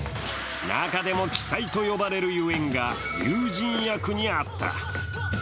中でも奇祭と呼ばれるゆえがん龍神役にあった。